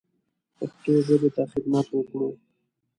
پښتو ژبې ته خدمت وکړو.